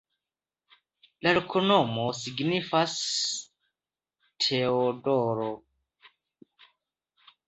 La loknomo signifas: Teodoro.